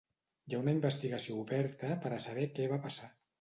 Hi ha una investigació oberta per a saber què va passar.